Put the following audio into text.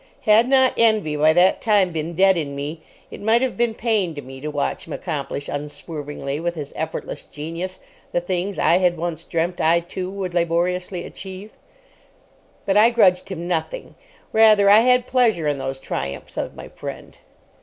Had not envy by that time been dead in me, it might have been pain to me to watch him accomplish unswervingly with his effortless genius the things I had once dreamt I, too, would laboriously achieve. But I grudged him nothing. Rather, I had pleasure in those triumphs of my friend.